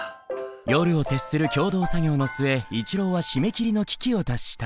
夜を徹する共同作業の末一郎は締め切りの危機を脱した。